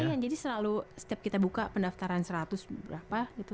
lumayan jadi selalu setiap kita buka pendaftaran seratus berapa gitu